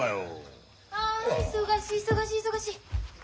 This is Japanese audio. あ忙しい忙しい忙しい。